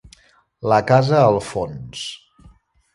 La casa al fons.